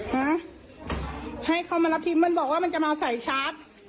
ฮะให้เขามารับทิพย์มันบอกว่ามันจะมาใส่ชาร์จ